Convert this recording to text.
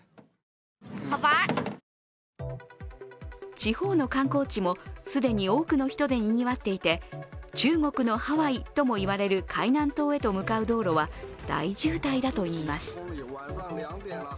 地方の観光地も既に多くの人でにぎわっていて、中国のハワイとも言われる海南島へと向かう道路は大渋滞だといいます。